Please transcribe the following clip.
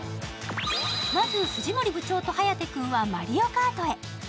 まず藤森部長と颯君はマリオカートへ。